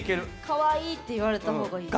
かわいいって言われた方がいい。